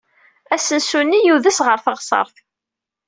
Asensu-nni yudes ɣer teɣsert.